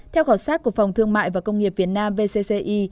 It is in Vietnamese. theo khảo sát của phòng thương mại và công nghiệp việt nam vcci